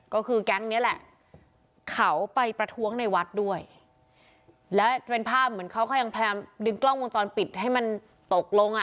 ก็คือแก๊งนี้แหละเขาไปประท้วงในวัดด้วยแล้วเป็นภาพเหมือนเขาก็ยังพยายามดึงกล้องวงจรปิดให้มันตกลงอ่ะ